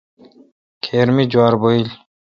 کھیر می جوار بھویل۔